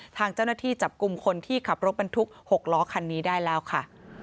ทางเจ้าหน้าที่จับกลุ่มคนที่ขับรถบรรทุก๖ล้อคันนี้ได้แล้วค่ะ